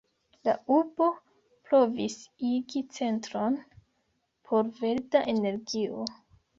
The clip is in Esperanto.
La urbo provis igi centron por verda energio.